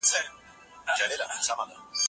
موږ څنګه خپل صورتونه ښکلي کولای سو؟